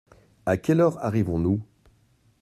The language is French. À quelle heure arrivons-nous ?